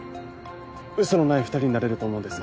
ウソのない２人になれると思うんです。